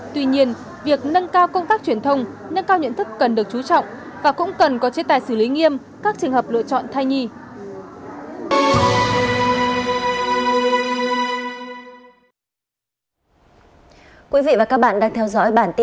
tuy nhiên việc nâng cao công tác truyền thông nâng cao nhận thức cần được chú trọng và cũng cần có chế tài xử lý nghiêm các trường hợp lựa chọn thai nhi